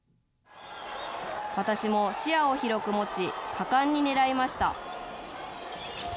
私も視野を広く持ち、果敢に狙いました。